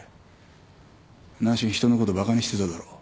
内心人のことバカにしてただろ？